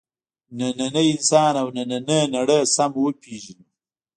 نننی انسان او نننۍ نړۍ سم وپېژنو.